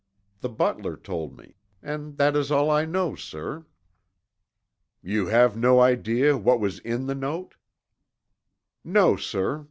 The butler told me, and that is all I know, sir." "You have no idea what was in the note?" "No, sir.